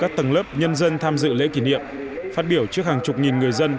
các tầng lớp nhân dân tham dự lễ kỷ niệm phát biểu trước hàng chục nghìn người dân